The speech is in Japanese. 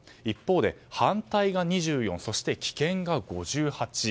一方で反対が２４そして棄権が５８。